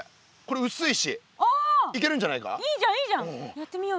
やってみようよ。